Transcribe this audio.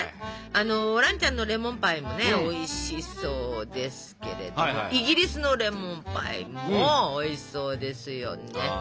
あの蘭ちゃんのレモンパイもねおいしそうですけれどイギリスのレモンパイもおいしそうですよね。